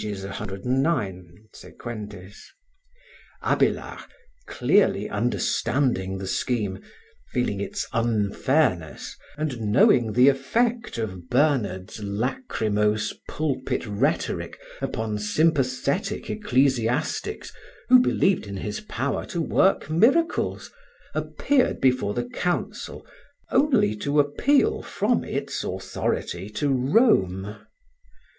109 seq.) Abélard, clearly understanding the scheme, feeling its unfairness, and knowing the effect of Bernard's lachrymose pulpit rhetoric upon sympathetic ecclesiastics who believed in his power to work miracles, appeared before the council, only to appeal from its authority to Rome.